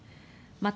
また、